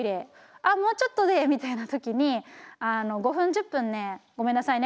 「ああもうちょっとで」みたいな時に５分１０分ねごめんなさいね。